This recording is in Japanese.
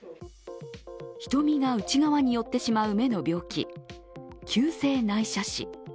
瞳が内側に寄ってしまう目の病気急性内斜視。